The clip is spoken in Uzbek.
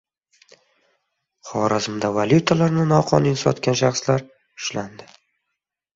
Xorazmda valyutalarni noqonuniy sotgan shaxslar ushlandi